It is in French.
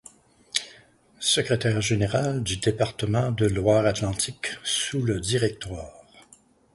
Secrétaire général du département de Loire-Atlantique sous le Directoire.